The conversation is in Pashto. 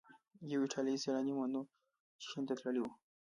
یو ایټالیایی سیلانی منوچي هند ته تللی و.